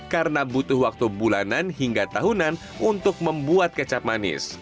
karena butuh waktu bulanan hingga tahunan untuk membuat kecap manis